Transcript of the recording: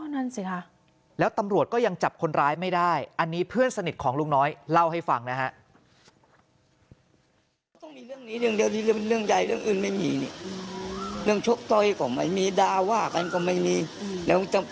นั่นสิค่ะแล้วตำรวจก็ยังจับคนร้ายไม่ได้อันนี้เพื่อนสนิทของลุงน้อยเล่าให้ฟังนะฮะ